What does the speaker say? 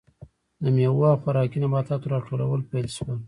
د میوو او خوراکي نباتاتو راټولول پیل شول.